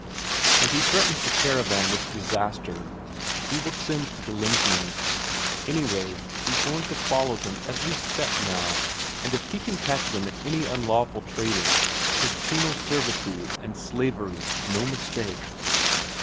And he threatens the caravan with disaster he will send for the Lensmand; anyway, he's going to follow them every step now, and if he can catch them at any unlawful trading 'tis penal servitude and slavery, no mistake!